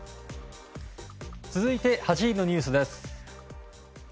続いて８位のニュースです。